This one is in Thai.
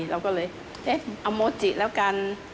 เราก็เลยเอ๊ะอโมจิแล้วกัน